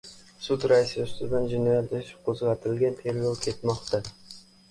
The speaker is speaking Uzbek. Sud raisi ustidan jinoyat ishi qo‘zg‘atilgan, tergov ketmoqda...